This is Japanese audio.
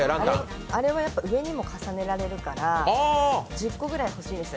あれは上にも重ねられるから１０個ぐらい欲しいです。